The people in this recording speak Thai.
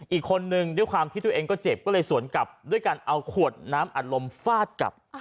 อีกคนนึงด้วยความที่ตัวเองก็เจ็บก็เลยสวนกลับด้วยการเอาขวดน้ำอัดลมฟาดกลับ